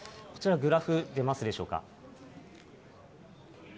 こちら、グラフ出ますでしょうか。